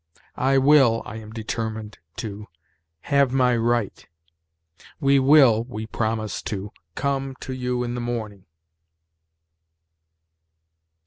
"I will [I am determined to] have my right." "We will [we promise to] come to you in the morning."